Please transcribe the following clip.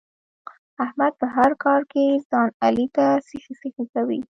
احمد په هر کار کې ځان علي ته سخی سخی کوي.